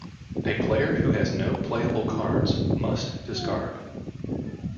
A player who has no playable cards "must" discard.